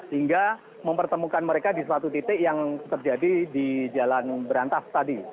hingga mempertemukan mereka di suatu titik yang terjadi di jalan berantas tadi